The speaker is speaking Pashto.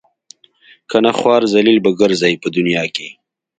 کنه خوار ذلیل به ګرځئ په دنیا کې.